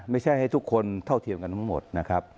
ให้ทุกคนเท่าเทียมกันทั้งหมดนะครับ